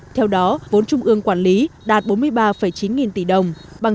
theo đó vốn trung ương quản lý đạt bốn mươi ba chín nghìn tỷ đồng bằng